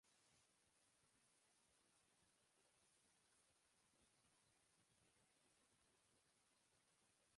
A polgárháború után csak fokozatosan kezdték fejleszteni a hálózatot.